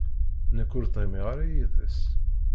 Nekk ur ttɣimiɣ ara yid-s.